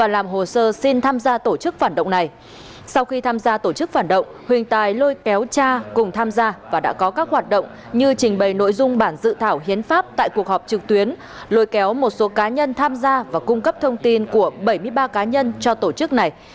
đã tham gia tổ chức phản động này sau khi tham gia tổ chức phản động huỳnh tài lôi kéo cha cùng tham gia và đã có các hoạt động như trình bày nội dung bản dự thảo hiến pháp tại cuộc họp trực tuyến lôi kéo một số cá nhân tham gia và cung cấp thông tin của bảy mươi ba cá nhân cho tổ chức này